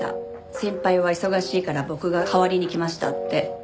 先輩は忙しいから僕が代わりに来ましたって。